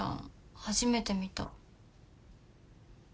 初めて見た。